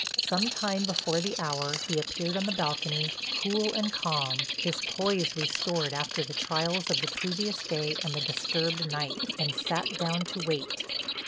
Some time before the hour he appeared on the balcony, cool and calm, his poise restored after the trials of the previous day and the disturbed night, and sat down to wait.